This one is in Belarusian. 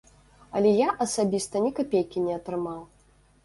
Але я асабіста ні капейкі не атрымаў.